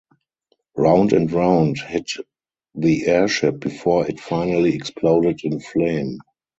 Round and round hit the Airship before it finally exploded in flame.